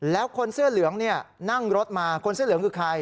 ข้างหน้าก็นั่งรถมาคนเส้นเหลืองคือใคร